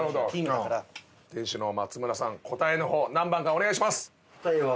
店主の松村さん答えの方何番かお願いします！